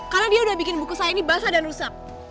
karena dia udah bikin buku saya ini basah dan rusak